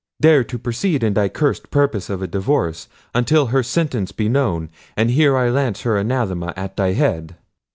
Dare to proceed in thy cursed purpose of a divorce, until her sentence be known, and here I lance her anathema at thy head."